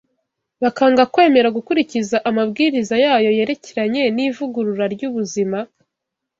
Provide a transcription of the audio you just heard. bakanga kwemera gukurikiza amabwiriza yayo yerekeranye n’ivugurura ry’ubuzima?